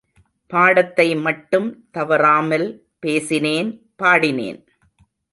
பாடத்தை மட்டும் தவறாமல் பேசினேன் பாடினேன்.